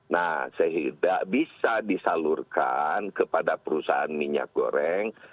nah sehingga bisa disalurkan kepada perusahaan minyak goreng